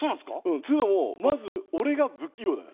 っていうのもまず俺が不器用だから。